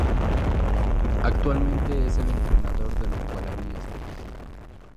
Actualmente es el entrenador de los Wallabies.